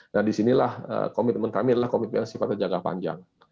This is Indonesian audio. nah disinilah komitmen kami adalah komitmen sifat jangka panjang